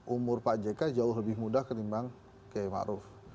umur pak jk jauh lebih mudah ketimbang kayak mak ruf